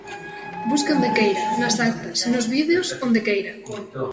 Busque onde queira, nas actas, nos vídeos, onde queira.